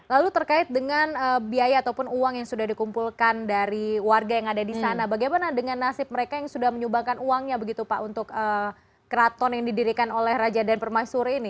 lalu terkait dengan biaya ataupun uang yang sudah dikumpulkan dari warga yang ada di sana bagaimana dengan nasib mereka yang sudah menyumbangkan uangnya begitu pak untuk keraton yang didirikan oleh raja dan permaisuri ini